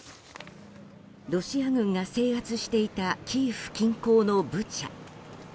ロシア軍が制圧していたキーウ近郊のブチャ。